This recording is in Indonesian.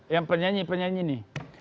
yang penyanyi penyanyi ini